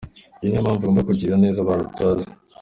Iyi niyo mpamvu ugomba kugirira neza abantu utazi.